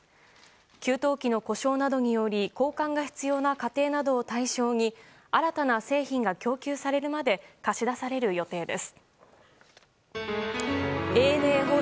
給湯器の故障などにより交換が必要な家庭などを対象に新たな製品が供給されるまで貸し出される予定です。